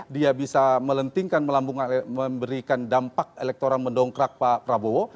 dia bisa melentingkan melambung memberikan dampak elektoral mendongkrak pak prabowo